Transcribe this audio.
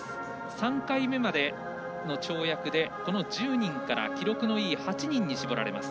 ３回目までの跳躍でこの１０人から記録のいい８人に絞られます。